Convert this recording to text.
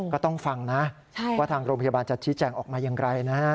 ก็ต้องฟังนะว่าทางโรงพยาบาลจะชี้แจงออกมาอย่างไรนะฮะ